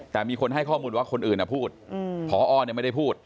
แต่มีคนให้ข้อมูลว่าคนอื่นอะพูด